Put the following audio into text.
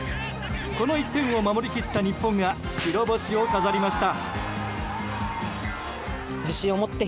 この１点を守り切った日本が白星を飾りました。